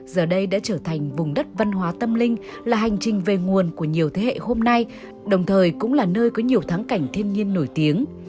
giờ đây đã trở thành vùng đất văn hóa tâm linh là hành trình về nguồn của nhiều thế hệ hôm nay đồng thời cũng là nơi có nhiều thắng cảnh thiên nhiên nổi tiếng